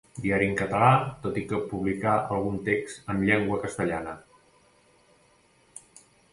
Diari en català, tot i que publicà algun text amb llengua castellana.